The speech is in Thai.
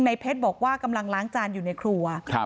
ในเพชรบอกว่ากำลังล้างจานอยู่ในครัว